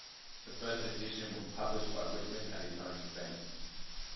The first edition was published by Whitman at his own expense.